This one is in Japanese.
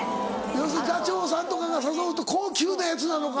要するに座長さんとかが誘うと高級なやつなのか。